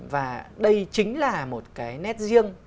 và đây chính là một cái nét riêng